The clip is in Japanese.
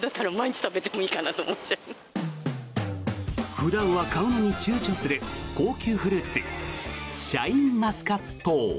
普段は買うのに躊躇する高級フルーツシャインマスカット。